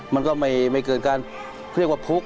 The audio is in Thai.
มันก็ไม่เกิดการคือเรียกของพุก